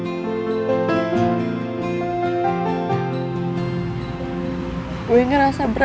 tapi aku harus seusah mobile juga ya